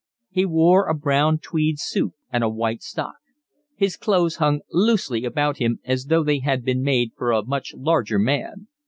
He wore a brown tweed suit and a white stock. His clothes hung loosely about him as though they had been made for a much larger man.